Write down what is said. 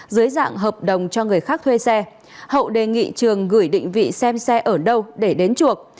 dưới dạng hợp đồng cho người khác thuê xe hậu đề nghị trường gửi định vị xem xe ở đâu để đến chuộc